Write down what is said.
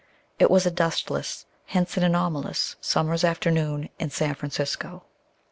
It was a dustless, hence an anomalous, summer's afternoon in San Francisco.